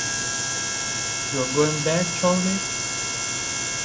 You're going back, Charley?